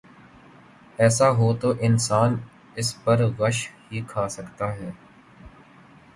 ایسا ہو تو انسان اس پہ غش ہی کھا سکتا ہے۔